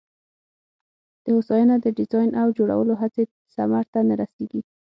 د هوساینه د ډیزاین او جوړولو هڅې ثمر ته نه رسېږي.